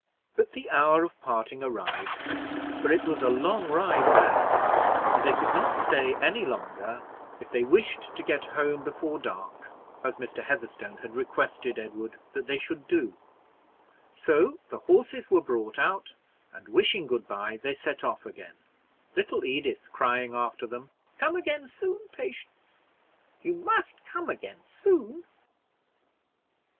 But the hour of parting arrived, for it was a long ride back, and they could not stay any longer if they wished to get home before dark, as Mr. Heatherstone had requested Edward that they should do; so the horses were brought out, and wishing good by, they set off again little Edith crying after them, "Come again soon! Patience, you must come again soon!"